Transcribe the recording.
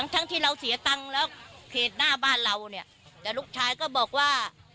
ทั้งที่เราเสียตังค์แล้วเพจหน้าบ้านเราเนี่ยแต่ลูกชายก็บอกว่า